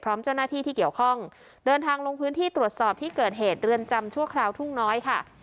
เจ้าหน้าที่ที่เกี่ยวข้องเดินทางลงพื้นที่ตรวจสอบที่เกิดเหตุเรือนจำชั่วคราวทุ่งน้อยค่ะ